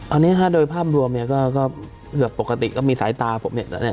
อันนี้ฮะโดยภาพรวมเนี่ยก็แบบปกติก็มีสายตาผมเนี่ย